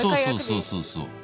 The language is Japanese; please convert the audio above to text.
そうそうそうそう。